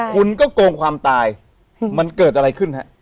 คุณก็โกงความตายมันเกิดอะไรขึ้นฮะ